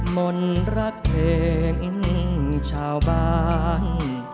มนต์รักเพลงชาวบ้าน